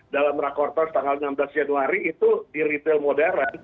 dalam rakorter tanggal enam belas januari itu di retail modern